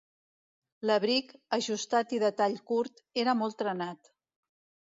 L'abric, ajustat i de tall curt, era molt trenat.